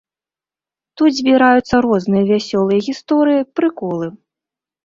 Тут збіраюцца розныя вясёлыя гісторыі, прыколы.